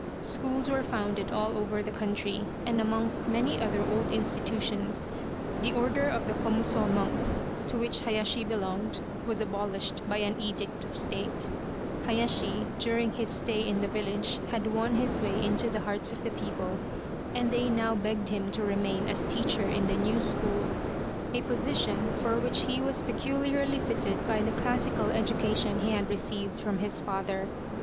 Schools were founded all over the country, and amongst many other old institutions the order of the Komuso monks, to which Hayashi belonged, was abolished by an edict of State. 116 The Reincarnation of Tama Hayashi, during his stay in the village, had won his way into the hearts of the people and they now begged him to remain as teacher in the new school, a position for which he was peculiarly fitted by the classical education he had received from his father.